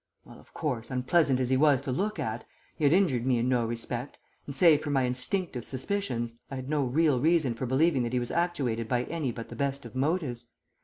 Well, of course, unpleasant as he was to look at, he had injured me in no respect, and save for my instinctive suspicions I had no real reason for believing that he was actuated by any but the best of motives.